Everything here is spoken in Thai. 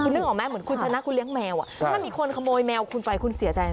นึกออกไหมเหมือนคุณชนะคุณเลี้ยงแมวถ้ามีคนขโมยแมวคุณไปคุณเสียใจไหม